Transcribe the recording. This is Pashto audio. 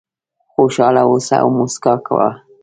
خوشاله اوسه او موسکا کوه .